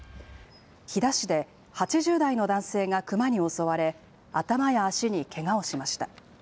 飛騨市で８０代の男性がクマに襲われ、頭や足にけがをしました。